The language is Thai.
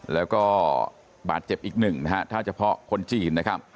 และบาดเจ็บอีก๑ถ้าเฉพาะคนจีน